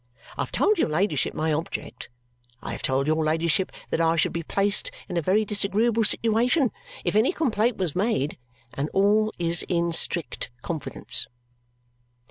I have told your ladyship my object. I have told your ladyship that I should be placed in a very disagreeable situation if any complaint was made, and all is in strict confidence."